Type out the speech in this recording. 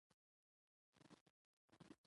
افغانستان د نړی د تاریخ مهم باب دی.